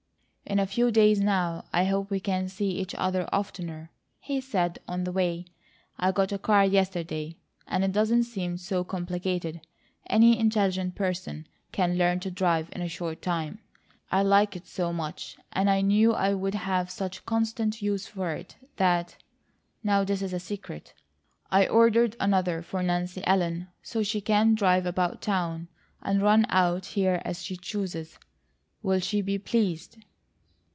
"In a few days now I hope we can see each other oftener," he said, on the way. "I got a car yesterday, and it doesn't seem so complicated. Any intelligent person can learn to drive in a short time. I like it so much, and I knew I'd have such constant use for it that now this is a secret I ordered another for Nancy Ellen, so she can drive about town, and run out here as she chooses. Will she be pleased?"